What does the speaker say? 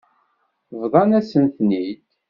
Bḍant-asen-ten-id.